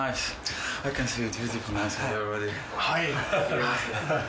はい。